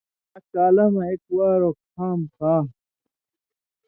یا کالہ مژ اک وار اوک خامخا